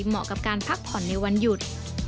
เหมาะกับการพักผ่อนในวันหยุด